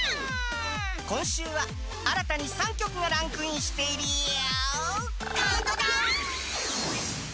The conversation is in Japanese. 今週は新たに３曲がランクインしているよ。